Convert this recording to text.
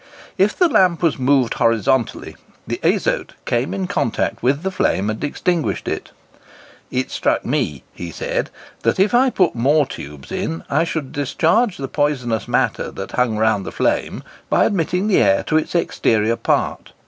If the lamp was moved horizontally, the azote came in contact with the flame and extinguished it. "It struck me," said he, "that if I put more tubes in, I should discharge the poisonous matter that hung round the flame, by admitting the air to its exterior part."